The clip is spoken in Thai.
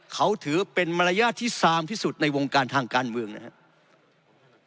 เขาถือเป็นมารยาทที่ซามที่สุดในวงการทางการเมืองนะครับ